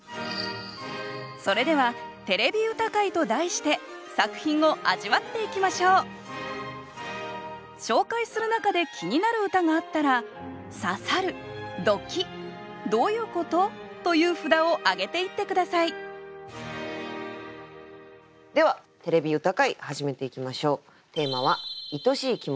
それでは「てれび歌会」と題して作品を味わっていきましょう紹介する中で気になる歌があったらという札を挙げていって下さいでは「てれび歌会」始めていきましょう。